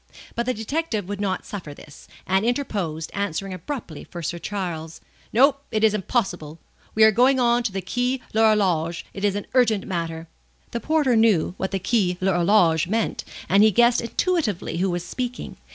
But the detective would not suffer this, and interposed, answering abruptly for Sir Charles: "No. It is impossible. We are going to the Quai l'Horloge. It is an urgent matter." The porter knew what the Quai l'Horloge meant, and he guessed intuitively who was speaking.